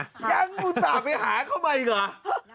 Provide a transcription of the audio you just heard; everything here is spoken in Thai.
ยังคุณสามารถไปหาเขามาอีกหรือ